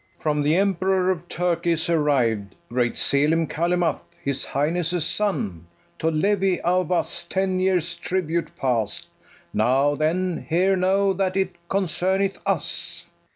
]From the Emperor of Turkey is arriv'd Great Selim Calymath, his highness' son, To levy of us ten years' tribute past: Now, then, here know that it concerneth us. BARABAS.